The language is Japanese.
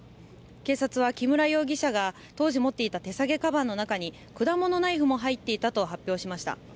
警察は木村容疑者が当時、持っていた手提げかばんの中に果物ナイフも入っていたと発表しました。